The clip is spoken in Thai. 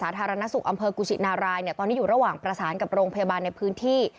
สาธารณสุขอำเภอกุชินารายตอนนี้อยู่ระหว่างประสานกับโรงพยาบาลในพื้นที่